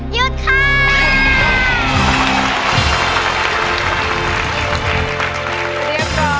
หยุดค่ะ